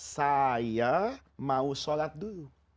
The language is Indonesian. saya mau sholat dulu